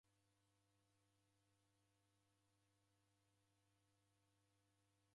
Iruwa na mori reko kula na w'urumwengu